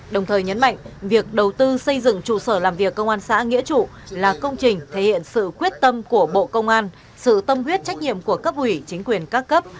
đồng thời nhấn mạnh việc đầu tư xây dựng trụ sở làm việc công an xã nghĩa trụ là công trình thể hiện sự quyết tâm của bộ công an sự tâm huyết trách nhiệm của cấp ủy chính quyền các cấp